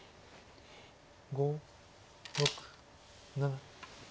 ５６７。